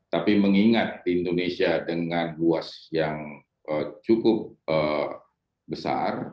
tapi mengingat indonesia dengan luas yang cukup besar